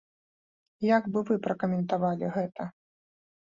Як бы вы пракаментавалі гэта?